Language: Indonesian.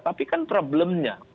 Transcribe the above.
tapi kan problemnya